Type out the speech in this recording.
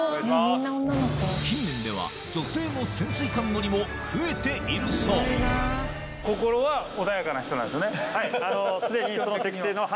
近年では女性の潜水艦乗りも増えているそうはい。